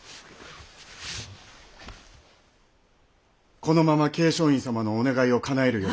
このまま桂昌院様のお願いをかなえるより。